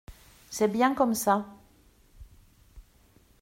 C’est bien comme ça.